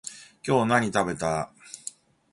今日何食べた？